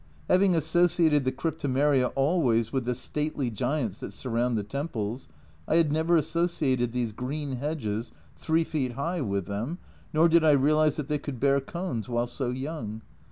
Having associated the Cryptomeria always with the stately giants that surround the temples, I had never associated these green hedges, three feet high, with them, nor did I realise that they could bear cones while so young.